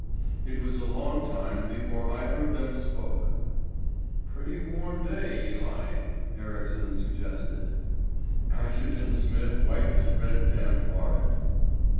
It was a long time before either of them spoke. "Pretty warm day, Eli," Ericsson suggested. Asherton Smith wiped his red damp forehead.